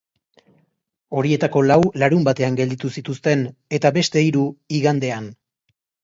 Horietako lau larunbatean gelditu zituzten, eta beste hiru, igandean.